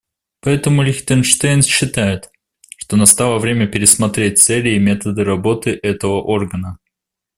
Поэтому Лихтенштейн считает, что настало время пересмотреть цели и методы работы этого органа.